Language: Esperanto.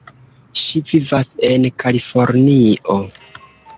Ŝi vivas en Kalifornio.